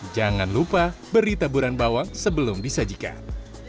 jangan lupa beri taburan bawang sebelum disajikan